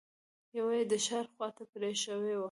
يوه يې د ښار خواته پرې شوې وه.